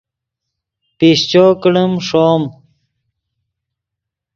پیشچو کڑیم ݰوم